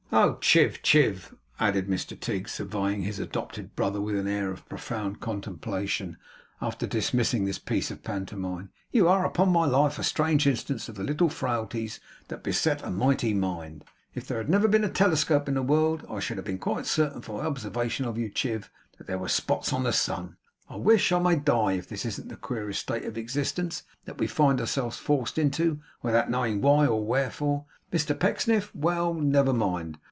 'Oh, Chiv, Chiv!' added Mr Tigg, surveying his adopted brother with an air of profound contemplation after dismissing this piece of pantomime. 'You are, upon my life, a strange instance of the little frailties that beset a mighty mind. If there had never been a telescope in the world, I should have been quite certain from my observation of you, Chiv, that there were spots on the sun! I wish I may die, if this isn't the queerest state of existence that we find ourselves forced into without knowing why or wherefore, Mr Pecksniff! Well, never mind!